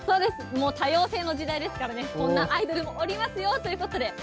もう多様性の時代ですからね、こんなアイドルもおりますよということで。